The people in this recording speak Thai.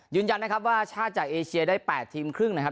ยืนยันนะครับว่าชาติจากเอเชียได้๘ทีมครึ่งนะครับ